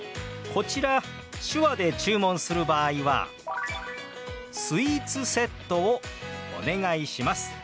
こちら手話で注文する場合は「スイーツセットをお願いします」と表します。